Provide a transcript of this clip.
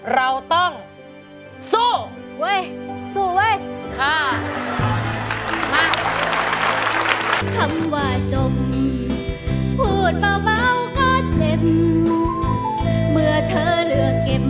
เราต้องสู้